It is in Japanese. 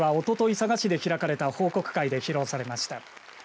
佐賀市で開かれた報告会で披露されました。